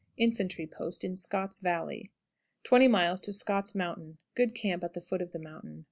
Infantry post, in Scott's Valley. 20. Scott's Mountain. Good camp at the foot of the mountain.